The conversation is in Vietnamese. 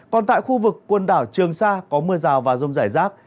còn tại khu vực quần đảo trường sa có mưa rào và rông rải rác